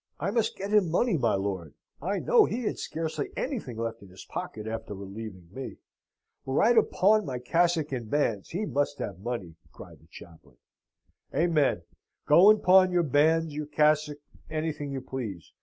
"I must get him money, my lord. I know he had scarcely anything left in his pocket after relieving me. Were I to pawn my cassock and bands, he must have money," cried the chaplain. "Amen. Go and pawn your bands, your cassock, anything you please.